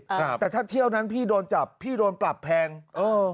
อ่าแต่ถ้าเที่ยวนั้นพี่โดนจับพี่โดนปรับแพงเออ